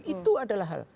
itu adalah hal